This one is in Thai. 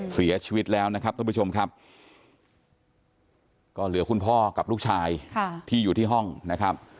เสียชีวิตแล้วนะครับท่านผู้ชมครับก็เหลือคุณพ่อกับลูกชายที่อยู่ที่ห้องนะครับ